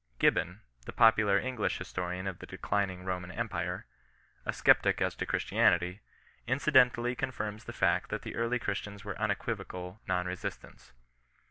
Gibbon, the popular English historian of the declining Roman empire, a sceptic as to Christianity, incidentally confirms the fact that the early Christians were unequi Yocal non resistants.